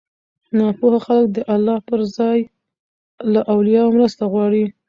ناپوهه خلک د الله پر ځای له اولياوو مرسته غواړي